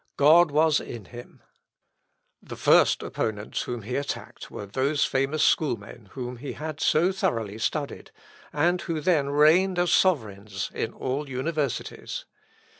God was in him. The first opponents whom he attacked were those famous schoolmen whom he had so thoroughly studied, and who then reigned as sovereigns in all universities.